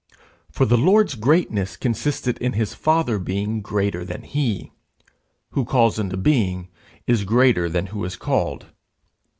For the Lord's greatness consisted in his Father being greater than he: who calls into being is greater than who is called.